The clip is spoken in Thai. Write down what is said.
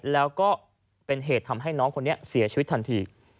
แล้วก็เป็นเหตุทำให้น้องคนนี้เสียชีวิตทันที